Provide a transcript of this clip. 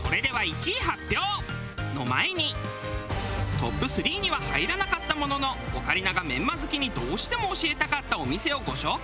トップ３には入らなかったもののオカリナがメンマ好きにどうしても教えたかったお店をご紹介！